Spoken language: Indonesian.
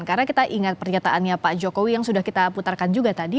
karena kita ingat pernyataannya pak jokowi yang sudah kita putarkan juga tadi